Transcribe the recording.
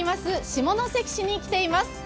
下関市に来ています。